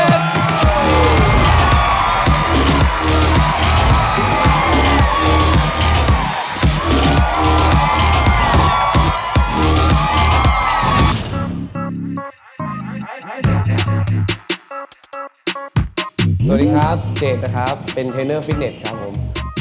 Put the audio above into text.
สวัสดีครับเจดนะครับเป็นเทรนเนอร์ฟิตเน็ตครับผม